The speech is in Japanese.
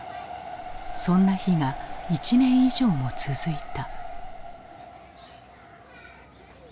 そんな日が１年以上も続いた。